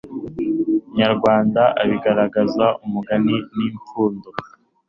nyarwanda abigaragaza ,umugani n'ipfundo